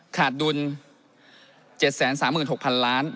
ขาดดุล๗๓๖๐๐๐ล้าน